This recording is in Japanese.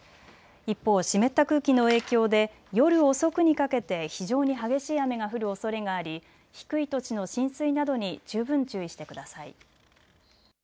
一方、湿った空気の影響で夜遅くにかけて非常に激しい雨が降るおそれがあり低い土地の浸水などに十分注意してください。